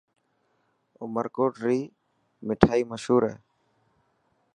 عمرڪوٽ ري مٺائن مشهور هي.